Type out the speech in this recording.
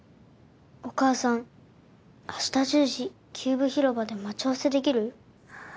お母さん明日１０時キューブ広場で待ち合わせできる？